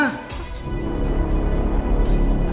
di situ kak